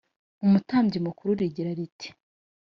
Umutambyi mukuru rigira riti